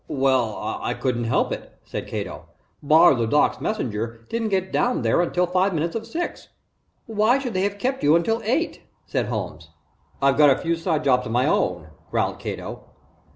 "Well I couldn't help it," said Cato. "Bar, LeDuc's messenger didn't get down there until five minutes of six." "Why should that have kept you until eight?" said Holmes. "I've got a few side jobs of my own," growled Cato.